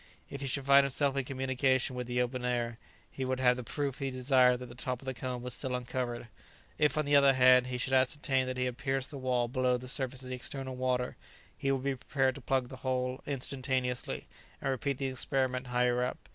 If he should find himself in communication with the open air, he would have the proof he desired that the top of the cone was still uncovered; if, on the other hand, he should ascertain that he had pierced the wall below the surface of the external water, he would be prepared to plug up the hole instantaneously, and repeat the experiment higher up.